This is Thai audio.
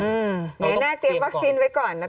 อืมไหนหน้าเตรียมวัคซีนไว้ก่อนนะตอนแรก